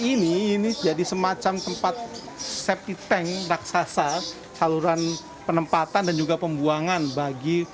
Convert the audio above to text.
ini ini jadi semacam tempat septic tank raksasa saluran penempatan dan juga pembuangan bagi